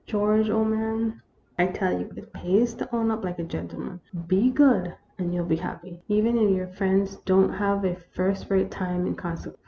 George, old man, I tell you it pays to own up like a gentleman. Be good and you '11 be happy, even if your friends don't have a first rate time in consequence."